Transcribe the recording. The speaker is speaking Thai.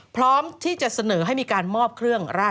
พร้อมที่จะเสนอให้มีการมอบเครื่องราช